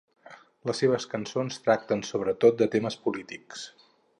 Les seves cançons tracten sobretot de temes polítics.